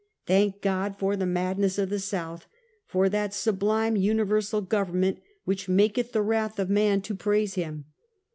Thank God for the madness of the South; for that sub lime universal government which maketh "the wrath of man to praise him."